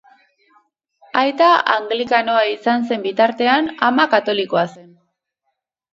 Aita anglikanoa izan zen bitartean, ama katolikoa zen.